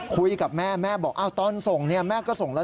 คุยกับแม่แม่บอกตอนส่งเนี่ยแม่ก็ส่งแล้ว